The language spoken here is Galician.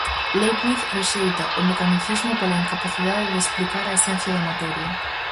Leibniz rexeita o mecanicismo pola incapacidade de explicar a esencia da materia.